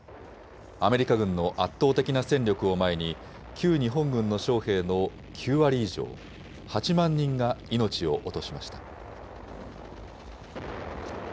アメリカ軍の圧倒的な戦力を前に、旧日本軍の将兵の９割以上、８万人が命を落としました。